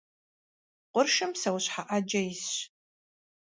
Къуршым псэущхьэ Ӏэджэ исщ.